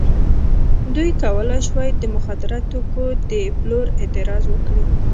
دوی کولای شوای د مخدره توکو په پلور اعتراض وکړي.